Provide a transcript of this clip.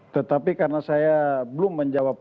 tetapi karena saya belum menjawab